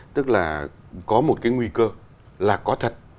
tức là có một cái nguy cơ là có thật